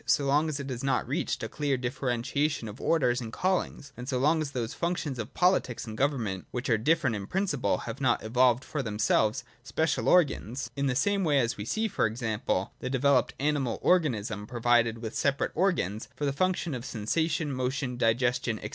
so long as it has not reached a clear differentiation of orders and callings, and so long as those functions of politics and government, which are different in principle, have not evolved for themselves special organs, in the same way as we see, for example, the developed animal organism pro vided with separate organs for the functions of sensation, motion, digestion, &c.